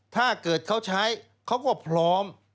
ถ้าเกิดเขาใช้เขาก็พร้อม